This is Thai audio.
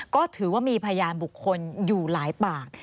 ก็ถือว่ามีพยานบุคคลอยู่หลายปาก